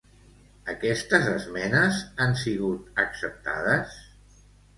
Aquestes esmenes han sigut acceptades?